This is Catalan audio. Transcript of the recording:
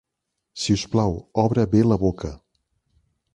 Sisplau, obre bé la boca.